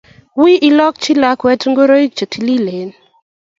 Wi ilokchi lakwet ngoroik che tililen.